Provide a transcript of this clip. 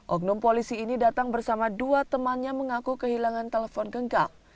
oknum polisi ini datang bersama dua temannya mengaku kehilangan telpon genggam